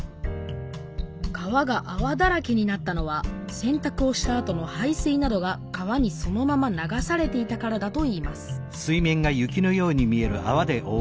川がアワだらけになったのはせんたくをしたあとの排水などが川にそのまま流されていたからだといいます